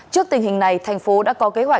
trước tình hình này thành phố đã có kế hoạch